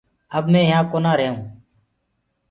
اب مي يهآنٚ ڪونآ ريهئونٚ